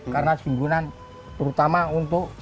karena simbukan terutama untuk